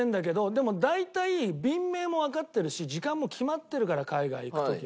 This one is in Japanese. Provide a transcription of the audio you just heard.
でも大体便名もわかってるし時間も決まってるから海外行く時は。